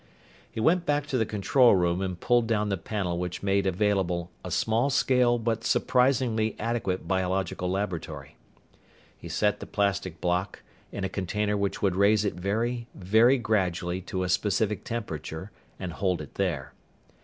He went back to the control room and pulled down the panel which made available a small scale but surprisingly adequate biological laboratory. He set the plastic block in a container which would raise it very, very gradually to a specific temperature and hold it there.